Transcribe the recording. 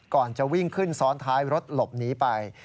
ก่อนจะวิ่งขึ้นซ้อนท้ายรถหลบหนีไป